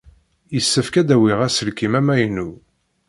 Yessefk ad d-awiɣ aselkim amaynu.